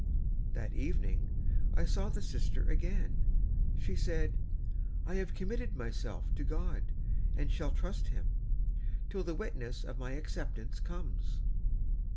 That evening I saw the sister again. She said, " I have committed myself to God, and shall trust Him, till the witness of my acceptance comes."